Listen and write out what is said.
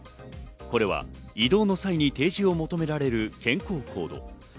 これは移動の際に提示を求められる健康コード。